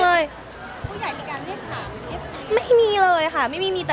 พอเรียนอฟฟิตแบบนี้แล้วเราต้องเปลี่ยนไหมค่ะ